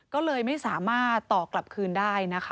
ก็เลยไม่สามารถต่อกลับคืนได้นะคะ